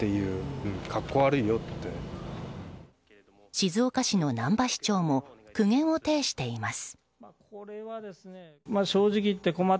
静岡市の難波市長も苦言を呈しています。